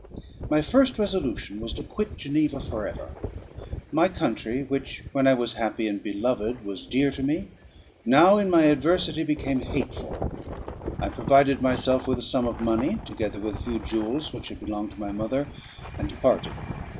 My first resolution was to quit Geneva for ever; my country, which, when I was happy and beloved, was dear to me, now, in my adversity, became hateful. I provided myself with a sum of money, together with a few jewels which had belonged to my mother, and departed.